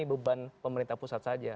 beban pemerintah pusat saja